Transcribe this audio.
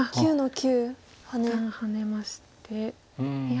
一旦ハネましていや